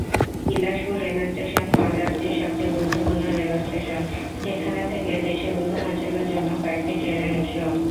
Bilaspur rail station হল রাজ্যের সবচেয়ে গুরুত্বপূর্ণ রেলস্টেশন, যেখানে থেকে দেশের বিভিন্ন অঞ্চলের জন্য কয়েকটি ট্রেনের উৎস।